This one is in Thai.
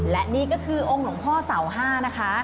และนี่ก็คือองค์หลวงพ่อเสาห้านะคะ